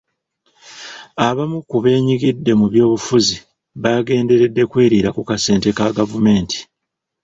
Abamu ku beenyigidde mu byobufuzi bagenderedde kweriira ku kasente ka gavumenti.